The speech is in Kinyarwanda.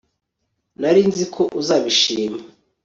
nari nzi ko uzabishima